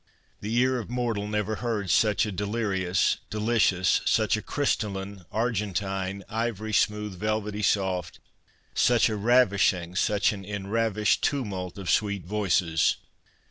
The ear of mortal never heard such a delirious, delicious, such a crystalline, argentine, ivory smooth, velvety soft, such a ravishing, such an enravished tumult of sweet voices.